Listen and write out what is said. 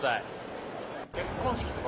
結婚式とか。